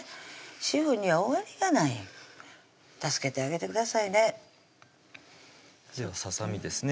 主婦には終わりがない助けてあげてくださいねささみですね